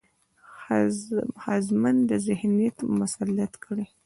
ښځمن ذهنيت مسلط کړي،